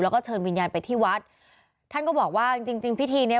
แล้วก็เชิญวิญญาณไปที่วัดท่านก็บอกว่าจริงจริงพิธีเนี้ย